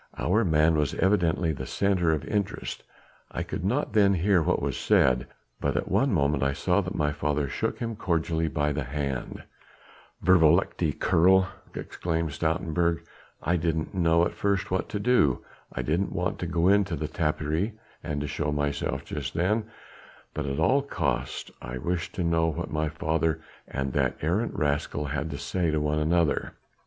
Our man was evidently the centre of interest; I could not then hear what was said, but at one moment I saw that my father shook him cordially by the hand." "Vervloekte Keerl!" exclaimed Stoutenburg. "I didn't know at first what to do. I didn't want to go into the tapperij and to show myself just then, but at all costs I wished to know what my father and that arrant rascal had to say to one another.